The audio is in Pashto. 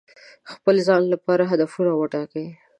د خپل ځان لپاره هدفونه وټاکئ.